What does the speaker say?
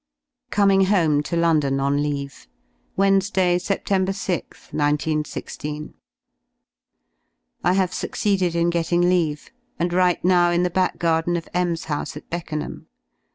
COMING HOME TO LONDON ON LEAVE Wednesday y Sept. 6th 191 6. I have succeeded in getting leave, and write now in the back garden of M 's house at Beckenham.